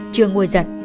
trưa ngồi giật